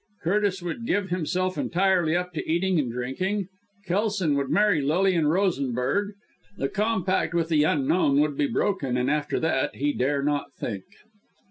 Curtis would give himself entirely up to eating and drinking, Kelson would marry Lilian Rosenberg; the compact with the Unknown would be broken; and after that he dare not think.